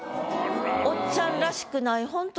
おっちゃんらしくないほんと